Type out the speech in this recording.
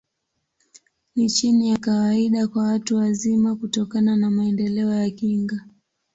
Ni chini ya kawaida kwa watu wazima, kutokana na maendeleo ya kinga.